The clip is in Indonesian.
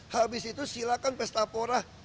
habis itu silakan pesta porah